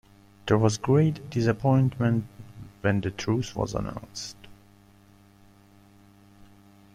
There was great disappointment when the truth was announced.